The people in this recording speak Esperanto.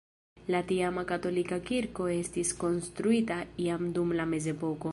La tiama katolika kirko estis konstruita iam dum la mezepoko.